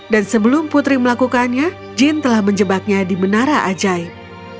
dan sebelum putri melakukannya jin telah menjebaknya di menara ajaib